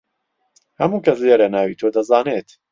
هەموو کەس لێرە ناوی تۆ دەزانێت.